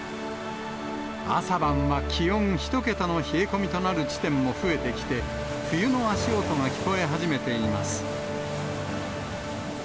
朝晩は気温１桁の冷え込みとなる地点も増えてきて、冬の足音が聞こえ始めています。